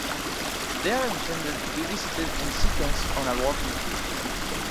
They are intended to be visited in sequence on a walking tour.